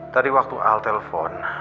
tadi waktu al telpon